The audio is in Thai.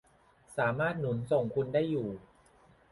สามารถหนุนส่งคุณได้อยู่